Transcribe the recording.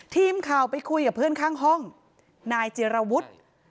ทีมข่าวไปคุยกับเพื่อนข้างห้องนายเจรวุฒิ